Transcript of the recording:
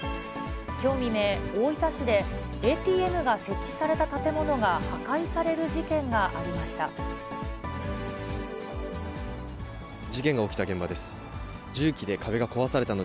きょう未明、大分市でＡＴＭが設置された建物が破壊される事件がありました。